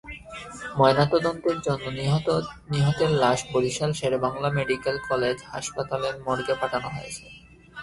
ময়নাতদন্তের জন্য নিহতের লাশ বরিশাল শেরেবাংলা মেডিকেল কলেজ হাসপাতাল মর্গে পাঠানো হয়েছে।